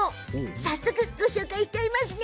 早速ご紹介しちゃいますね。